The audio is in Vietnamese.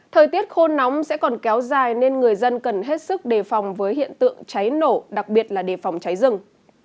thời tiết khô nóng sẽ còn kéo dài nên người dân cần hết sức đề phòng với hiện tượng cháy nổ đặc biệt là đề phòng cháy rừng